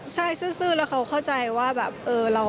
ใช่ซึ้นและเขาเข้าใจว่า